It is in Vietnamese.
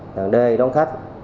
đăng đê đón khách